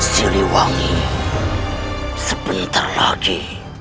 siliwangi sebentar lagi